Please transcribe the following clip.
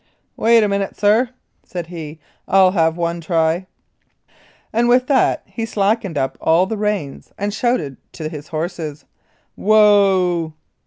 "Wait a minute, sir," said he, "I'll have one try," and with that he slacked up all the reins and shouted to his horses : "Whoa